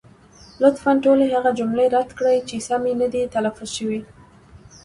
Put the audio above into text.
لطفا ټولې هغه جملې رد کړئ، چې سمې نه دي تلفظ شوې.